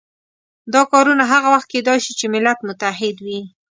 دا کارونه هغه وخت کېدای شي چې ملت متحد وي.